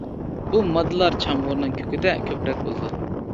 بۇ ماددىلار چامغۇرنىڭ كۆكىدە كۆپرەك بولىدۇ.